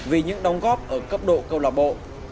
vì những đóng góp ở cấp độ câu lạc bộ